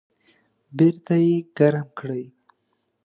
بیرته یې ګرم کړئ